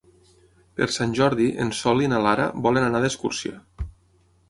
Per Sant Jordi en Sol i na Lara volen anar d'excursió.